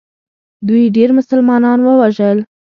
دوی ډېر مسلمانان ووژل.